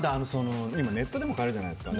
今、ネットでも買えるじゃないですか。